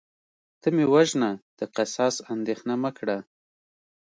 ته مې وژنه د قصاص اندیښنه مه کړه